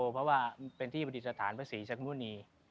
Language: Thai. เพราะว่าเป็นที่ประดิษฐานพระศรีชักมุณี